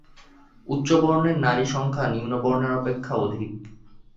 উচ্চবর্ণের নারী-সংখ্যা নিম্নবর্ণের অপেক্ষা অধিক।